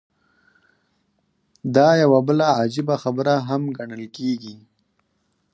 دا يوه بله عجيبه خبره هم ګڼل کېږي.